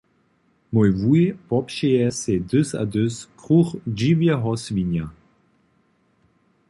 Mój wuj popřeje sej hdys a hdys kruch dźiwjeho swinja.